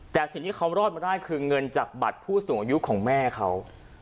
แต่สิ่งที่เขารอดมาได้คือเงินจากบัตรผู้สูงอายุของแม่เขา